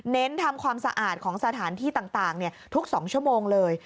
เน้นทำความสะอาดของสถานที่ต่างทุก๒ชั่วโมงเลย